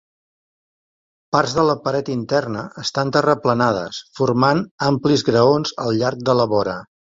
Parts de la paret interna estan terraplenades, formant amplis graons al llarg de la vora.